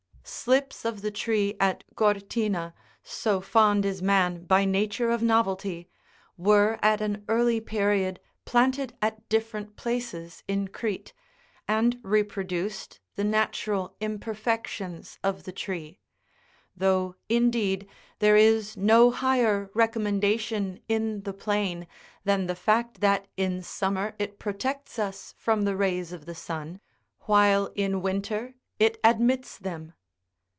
Slips of the tree at Gortyna— so fond is man by nature of novelty — were at an early period planted at different places in Crete, and reproduced the natural imperfections of the tree ;20 though, indeed, there is no higher recommendation in the plane than the fact that in summer it protects us from the rays of the sun, while in winter it admits them.